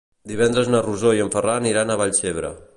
Divendres na Rosó i en Ferran iran a Vallcebre.